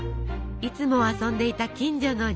いつも遊んでいた近所の神社。